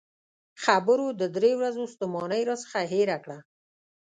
خبرو د درې ورځو ستومانۍ راڅخه هېره کړه.